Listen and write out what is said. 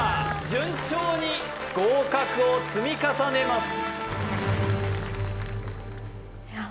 順調に合格を積み重ねます